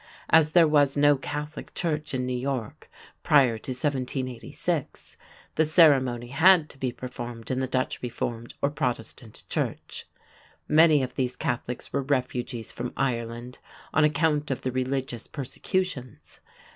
As there was no Catholic church in New York prior to 1786, the ceremony had to be performed in the Dutch Reformed or Protestant church. Many of these Catholics were refugees from Ireland on account of the religious persecutions.